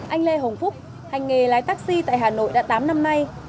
anh lê hồng phúc hành nghề lái taxi tại hà nội đã tám năm nay